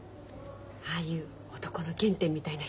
ああいう男の原点みたいな人って好き。